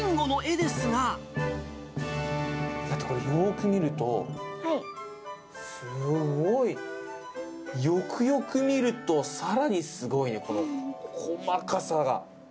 だってこれ、よーく見ると、すごい、よくよく見ると、さらにすごいね、この細かさが。